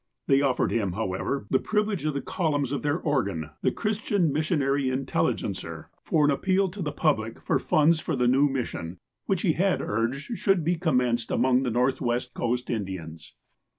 They offered him, however, the privilege of the columns of their organ. The Christian Missionary Intelli 34 THE APOSTLE OF ALASKA gencer, for an appeal to the public for funds for the new mission, which he had urged should be commenced among the Northwest coast Indians.